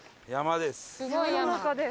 山です。